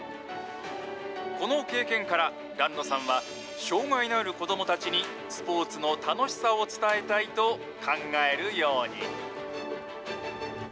この経験から、檀野さんは障害のある子どもたちに、スポーツの楽しさを伝えたいと考えるように。